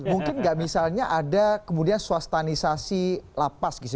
mungkin enggak misalnya ada kemudian swastanisasi lapas